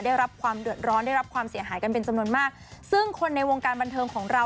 ได้รับความเดือดร้อนได้รับความเสียหายกันเป็นจำนวนมากซึ่งคนในวงการบันเทิงของเรา